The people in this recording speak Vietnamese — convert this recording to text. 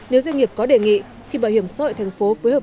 nếu doanh nghiệp có đề nghị thì bảo hiểm xã hội thành phố phối hợp